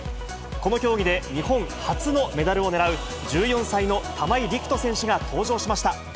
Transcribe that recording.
この競技で日本初のメダルを狙う、１４歳の玉井陸斗選手が登場しました。